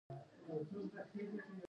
ایا پوستکی مو نازک دی؟